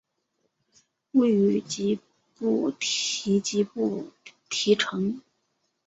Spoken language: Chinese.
位于吉布提吉布提城。